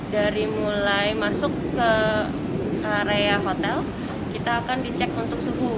dari mulai masuk ke area hotel kita akan dicek untuk suhu